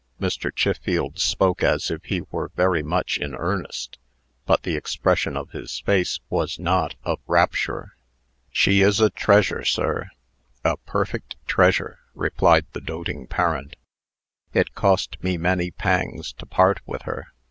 Mr. Chiffield spoke as if he were very much in earnest, but the expression of his face was not of rapture. "She is a treasure, sir a perfect treasure!" replied the doting parent. "It cost me many pangs to part with her.